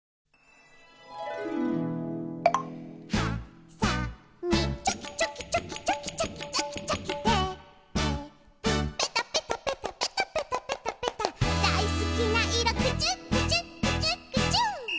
「はさみチョキチョキチョキチョキチョキチョキチョキ」「テープペタペタペタペタペタペタペタ」「だいすきないろクチュクチュクチュクチュ」